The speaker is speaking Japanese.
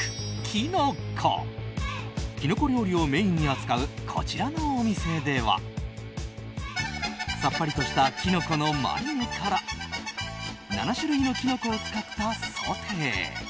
キノコ料理をメインに扱うこちらのお店ではさっぱりとしたキノコのマリネから７種類のキノコを使ったソテー。